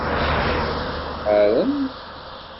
Tḥarem?